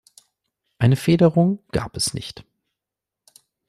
Eine Federung gab es nicht.